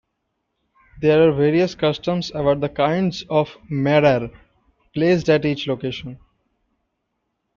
There are various customs about the kinds of "maror" placed at each location.